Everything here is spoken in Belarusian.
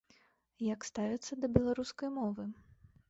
Як ставяцца да беларускай мовы?